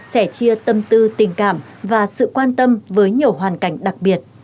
sẻ chia tâm tư tình cảm và sự quan tâm với nhiều hoàn cảnh đặc biệt